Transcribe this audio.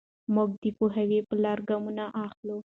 موږ د پوهې په لور ګامونه اخلو.